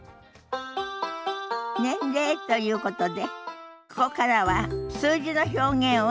年齢ということでここからは数字の表現を覚えましょ。